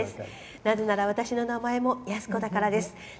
なぜなら私の名前もやすこだからです。